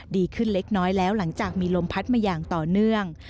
ดีขึ้นเล็กน้อยแล้วหลังจากมีลมพัดมาอย่างต่อเนื่อง